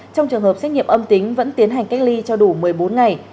trong trường hợp xét nghiệm âm tính vẫn tiến hành cách ly cho đủ một mươi bốn ngày